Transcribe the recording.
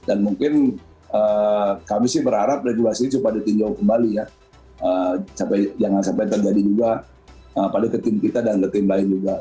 dan mungkin kami sih berharap regulasi ini supaya ditinjau kembali ya jangan sampai terjadi juga pada ke tim kita dan ke tim lain juga